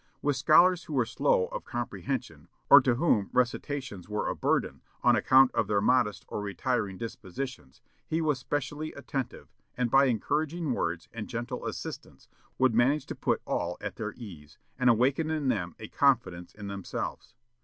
With scholars who were slow of comprehension, or to whom recitations were a burden on account of their modest or retiring dispositions, he was specially attentive, and by encouraging words and gentle assistance would manage to put all at their ease, and awaken in them a confidence in themselves....